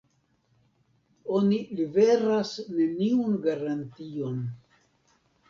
Oni liveras neniun garantion.